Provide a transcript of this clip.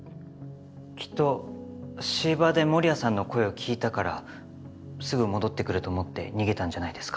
きっとシーバーで守屋さんの声を聞いたからすぐ戻ってくると思って逃げたんじゃないですか？